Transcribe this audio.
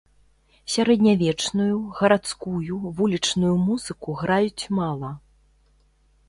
Сярэднявечную, гарадскую, вулічную музыку граюць мала.